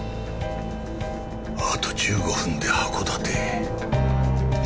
あと１５分で函館。